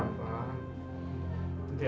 sampai nanti mas